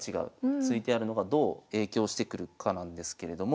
突いてあるのがどう影響してくるかなんですけれども。